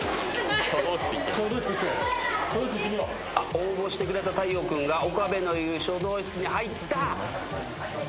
応募してくれた太陽君が岡部のいる書道室に入った。